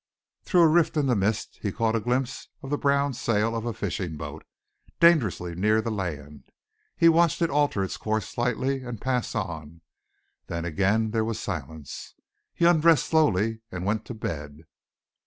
Through a rift in the mist, he caught a glimpse of the brown sail of a fishing boat, dangerously near the land. He watched it alter its course slightly and pass on. Then again there was silence. He undressed slowly and went to bed.